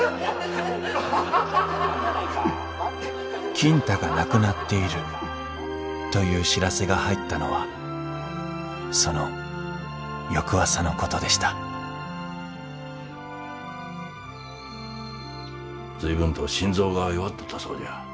金太が亡くなっているという知らせが入ったのはその翌朝のことでした随分と心臓が弱っとったそうじゃ。